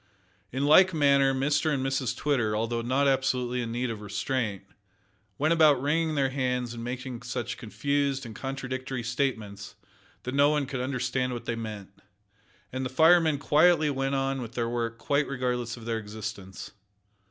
In like manner Mr and Mrs Twitter, although not absolutely in need of restraint, went about wringing their hands and making such confused and contradictory statements that no one could understand what they meant, and the firemen quietly went on with their work quite regardless of their existence.